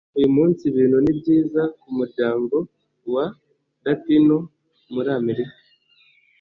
uyu munsi, ibintu ni byiza kumuryango wa latino muri amerika